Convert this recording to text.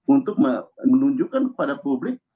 untuk menunjukkan kepada publik